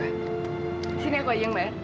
disini aku aja yang bayar